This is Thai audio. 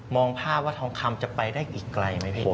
ภาพว่าทองคำจะไปได้อีกไกลไหมพี่